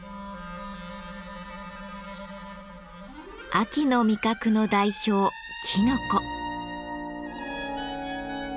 秋の味覚の代表きのこ。